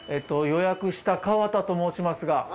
予約した川田と申しますが。